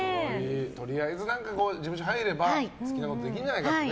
とりあえず事務所入れば好きなことできるんじゃないかと。